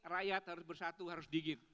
rakyat harus bersatu harus digit